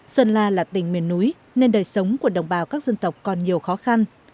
sơn la là tỉnh miền núi nên đời sống của đồng bào các dân tộc còn nhiều khó khăn